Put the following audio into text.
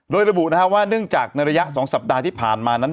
โดยระบุว่าเนื่องจากในระยะ๒สัปดาห์ที่ผ่านมานั้น